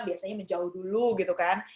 biasanya menjauh dulu gitu kan